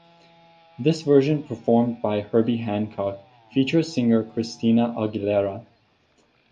This version performed by Herbie Hancock features singer Christina Aguilera.